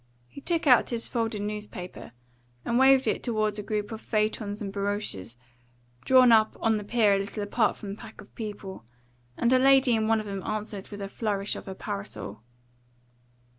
He took out his folded newspaper and waved it toward a group of phaetons and barouches drawn up on the pier a little apart from the pack of people, and a lady in one of them answered with a flourish of her parasol.